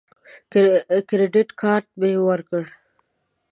کریډټ کارت مې ورکړ.